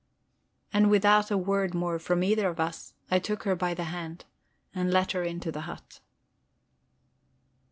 And without a word more from either of us, I took her by the hand and let her into the hut.